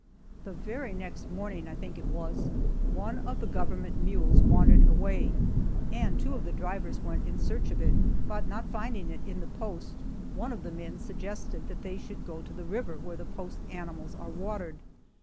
The very next morning, I think it was, one of the government mules wandered away, and two of the drivers went in search of it, but not finding it in the post, one of the men suggested that they should go to the river where the post animals are watered.